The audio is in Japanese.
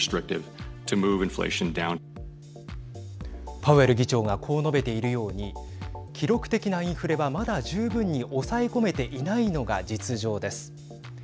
パウエル議長がこう述べているように記録的なインフレは、まだ十分に抑え込めていないのが実情です。